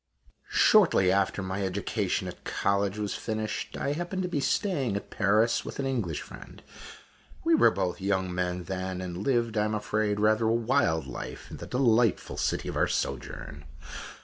Shortly after my education at college was finished, I happened to be staying at Paris with an English friend. We were both young men then, and lived, I am afraid, rather a wild life, in the delightful city of our sojourn.